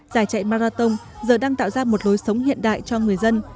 giải chạy marathon giờ đang tạo ra một lối sống hiện đại cho người dân